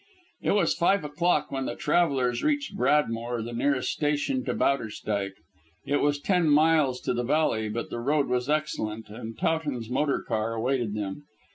It was five o'clock when the travellers reached Bradmoor, the nearest station to Bowderstyke. It was ten miles to the valley, but the road was excellent, and Towton's motor car awaited them.